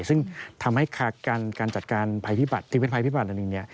ซึ่งทำให้การจัดการภัยพิบัตรที่เป็นภัยพิบัติอันหนึ่ง